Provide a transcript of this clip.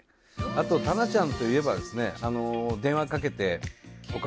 あとたなちゃんといえばですね